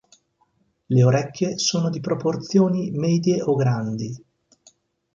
Le orecchie sono di proporzioni medie o grandi.